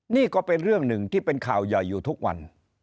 นี่ก็เป็นเรื่องหนึ่งที่เป็นข่าวใหญ่อยู่ทุกวัน